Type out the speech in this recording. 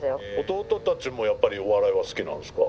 弟たちもやっぱりお笑いは好きなんですか？